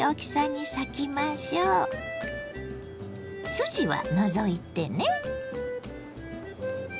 筋は除いてね。